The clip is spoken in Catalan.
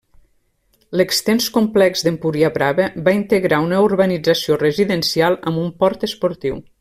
L'extens complex d'Empuriabrava va integrar una urbanització residencial amb un port esportiu.